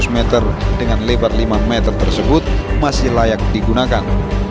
lima ratus meter dengan lebar lima meter tersebut masih layak digunakan